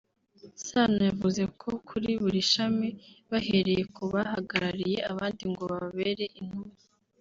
Sano yavuze ko kuri buri shami bahereye ku bahagarariye abandi ngo bababere intumwa